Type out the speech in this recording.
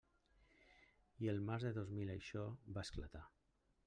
I el març de dos mil això va esclatar.